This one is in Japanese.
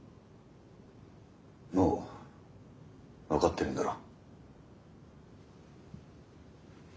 もう分かってるんだろ？